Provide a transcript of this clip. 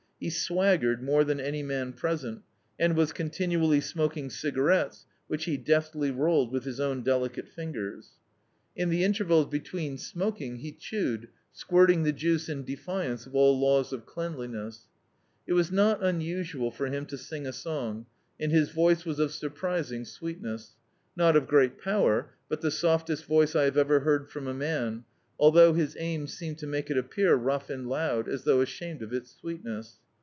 He swaggered more than any man present, and was continually smoking cigarettes — which he deftly rolled with his own delicate fingers. [103) D,i.,.db, Google The Autobiography of a Super Tramp In the intervals between smoking he chewed, squirt ing the juice in defiance of all laws of cleanliness. It was not unusual for him to sing a song, and his voice was of surprising sweetness ; not of great power, but the softest voice I have ever heard from a man, although his aim seemed to make it appear rou^ and loud, as though ashamed of its sweemess.